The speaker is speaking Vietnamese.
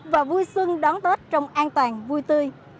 và vui xuân đón tết trong an toàn vui tươi